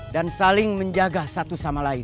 dan saling menjaga satu sama lain